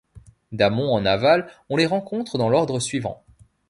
D'amont en aval on les rencontre dans l'ordre suivant.